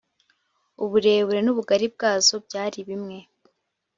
uburebure n’ubugari bwazo byari bimwe